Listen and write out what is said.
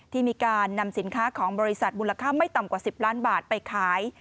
ที่มีการนำสินค้าของบริษัทมูลค่าไม่ต่ำกว่า๑๐ล้านบาทไปขาย